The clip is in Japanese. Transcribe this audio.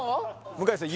向井さん